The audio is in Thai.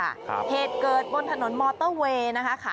เหตุเกิดบนถนนมอเตอร์เวย์นะคะค่ะ